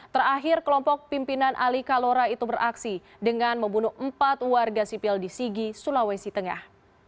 terakhir kelompok pimpinan ali kalora itu beraksi dengan membunuh empat warga sipil di sigi sulawesi tengah